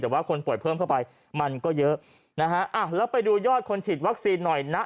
แต่ว่าคนป่วยเพิ่มเข้าไปมันก็เยอะนะฮะแล้วไปดูยอดคนฉีดวัคซีนหน่อยนะ